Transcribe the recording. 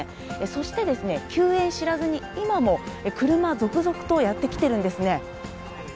そしてですね、休園知らずに今も車、続々とやって来てるんですね。